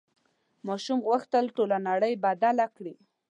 ماشوم غوښتل ټوله نړۍ بدله کړي.